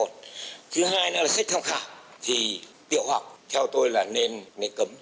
thứ hai nữa là sách tham khảo thì tiểu học theo tôi là nên cấm